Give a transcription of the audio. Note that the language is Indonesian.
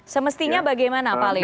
semestinya bagaimana pak leo